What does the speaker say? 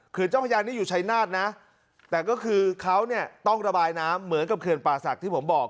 เจ้าพญานี่อยู่ชายนาฏนะแต่ก็คือเขาเนี่ยต้องระบายน้ำเหมือนกับเขื่อนป่าศักดิ์ที่ผมบอก